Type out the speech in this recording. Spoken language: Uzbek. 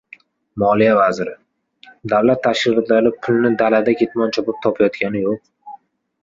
Moliya vaziri: "Davlat tashkilotlari pulni dalada ketmon chopib topayotgani yo‘q!"